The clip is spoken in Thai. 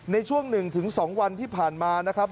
ในช่วงหนึ่งถึงสองวันที่ผ่านมานะครับ